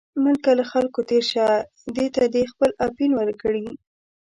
ملکه له خلکو تېر شه، دې ته دې خپل اپین ورکړي.